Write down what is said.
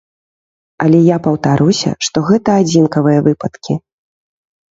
Але я паўтаруся, што гэта адзінкавыя выпадкі.